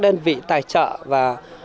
đơn vị tài trợ và ờ